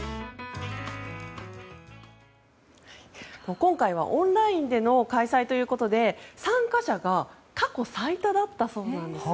今回はオンラインでの開催ということで参加者が過去最多だったそうなんです。